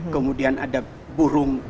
kemudian ada burung